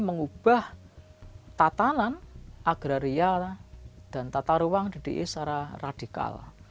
mengubah tatanan agrarial dan tata ruang di d i secara radikal